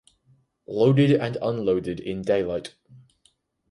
Loaded and Unloaded in Daylight.